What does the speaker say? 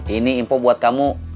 ini info buat kamu